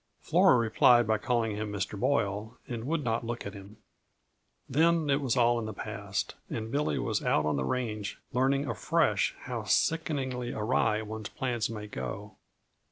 Flora replied by calling him Mr. Boyle, and would not look at him. Then it was all in the past, and Billy was out on the range learning afresh how sickeningly awry one's plans may go.